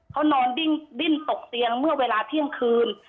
เขานอนดิ้นตกเตียงเมื่อเวลาเที่ยงคืน